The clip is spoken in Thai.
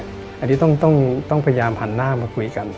อันนี้ต้องพยายามหันหน้ามาคุยกัน